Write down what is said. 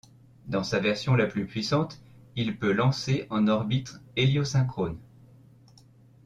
Dans sa version la plus puissante il peut lancer en orbite héliosynchrone.